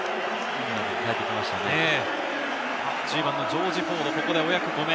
１０番のジョージ・フォード、ここでお役御免。